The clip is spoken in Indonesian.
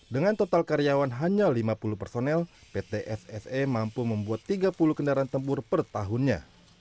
dengan total karyawan hanya lima puluh personel pt sse mampu membuat tiga puluh kendaraan tempur per tahunnya